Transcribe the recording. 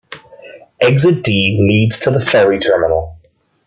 Exit D leads to the Ferry Terminal.